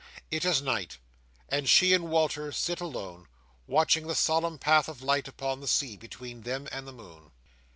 It is night, and she and Walter sit alone, watching the solemn path of light upon the sea between them and the moon.